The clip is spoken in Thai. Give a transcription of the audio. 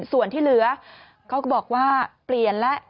ส่วนที่เหลือเขาก็บอกว่าเปลี่ยนแล้ว